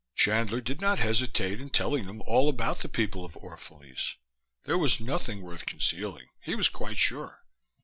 Chandler did not hesitate in telling them all about the people of Orphalese. There was nothing worth concealing, he was quite sure.